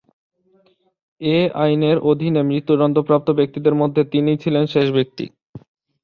এ আইনের অধীনে মৃত্যুদণ্ডপ্রাপ্ত ব্যক্তিদের মধ্যে তিনিই ছিলেন শেষ ব্যক্তি।